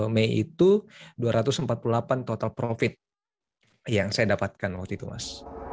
jadi itu dua ratus empat puluh delapan total profit yang saya dapatkan waktu itu mas